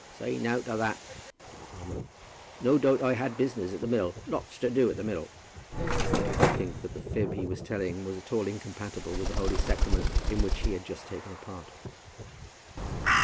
"Say nowt o' that," said the farmer. "No doubt I had business at the mill, lots to do at the mill." Nor did he think that the fib he was telling was at all incompatible with the Holy Sacrament in which he had just taken a part.